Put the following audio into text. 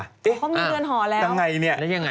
เขามีเรือนหอแล้วได้ยังไงนี่เอ๊ะเอ๊ะเอ๊ะเอ๊ะเอ๊ะเอ๊ะเอ๊ะ